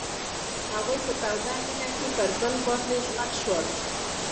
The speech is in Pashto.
هغوی په تاوده مینه کې پر بل باندې ژمن شول.